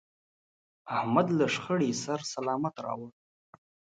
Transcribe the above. احمد له شخړې سر سلامت راوړ.